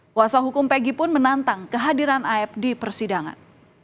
kuasa hukum peggy pun menantang kehadiran af di persidangan